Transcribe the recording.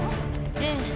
ええ。